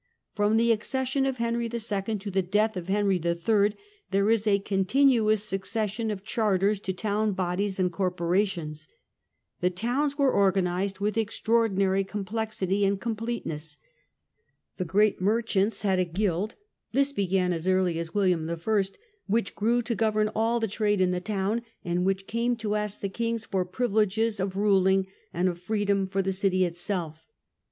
From the accession of Henry II. to the death of Henry III. there is a continuous succession of charters to town bodies and corporations. The towns were organized with extraordinary complexity and com pleteness. The great merchants had a guild owns. — ^j^.g began as early as William I. — which grew to govern all the trade in the town, and which came to ask the kings for privileges of ruling, and of freedom^ for the city itself.